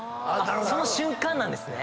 その瞬間なんですね！